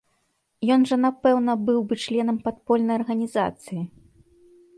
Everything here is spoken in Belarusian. Ён жа напэўна быў бы членам падпольнай арганізацыі.